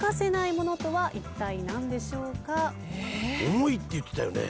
重いって言ってたよね。